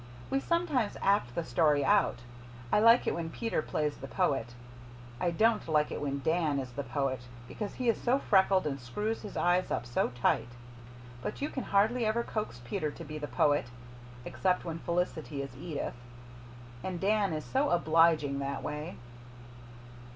"We sometimes act the story out. I like it when Peter plays the poet. I don't like it when Dan is the poet because he is so freckled and screws his eyes up so tight. But you can hardly ever coax Peter to be the poet except when Felicity is Edith and Dan is so obliging that way."